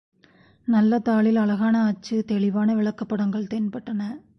நல்ல தாளில் அழகான அச்சு தெளிவான விளக்கப் படங்கள் தென்பட்டன.